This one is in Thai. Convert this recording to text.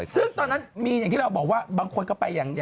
ซึ่งตอนนั้นมีอย่างที่เราบอกว่าบางคนก็ไปอย่าง